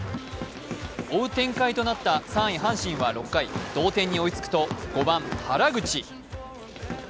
追う展開となった３位阪神は６回同点に追いつくと５番・原口。